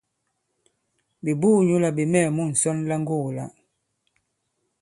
Ɓè buū nyǔ là ɓè mɛɛ̀ mu ŋsɔn la ŋgogō-la.